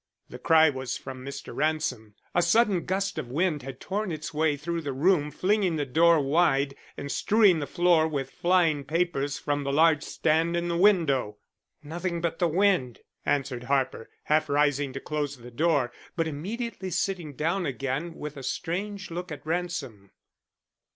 The cry was from Mr. Ransom. A sudden gust of wind had torn its way through the room, flinging the door wide, and strewing the floor with flying papers from the large stand in the window. "Nothing but wind," answered Harper, half rising to close the door, but immediately sitting down again with a strange look at Ransom.